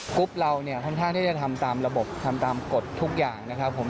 รุ๊ปเราเนี่ยค่อนข้างที่จะทำตามระบบทำตามกฎทุกอย่างนะครับผม